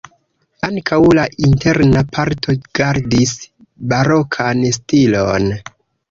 Ankaŭ la interna parto gardis barokan stilon.